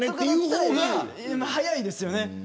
その方が早いですよね。